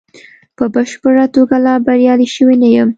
په بشپړه توګه لا بریالی شوی نه یم.